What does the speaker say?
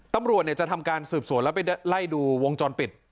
ตำรวจจะทำการสืบสวนแล้วไปไล่ดูวงจรปิด